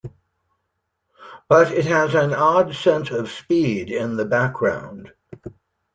But it has an odd sense of speed in the background.